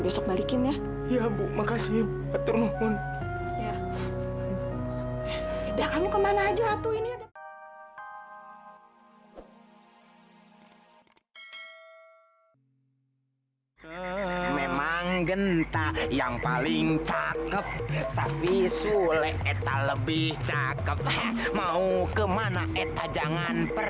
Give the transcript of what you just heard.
sampai jumpa di video selanjutnya